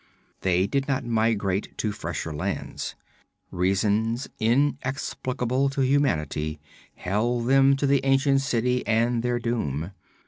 They did not migrate to fresher lands. Reasons inexplicable to humanity held them to the ancient city and their doom.